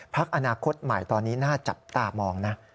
พักอนาคตใหม่ตอนนี้น่าจับตามองนะ